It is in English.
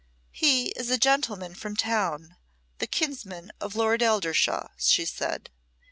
"He is a gentleman from town, the kinsman of Lord Eldershawe," she said.